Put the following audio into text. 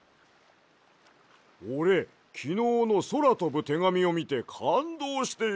おれきのうのそらとぶてがみをみてかんどうしてよ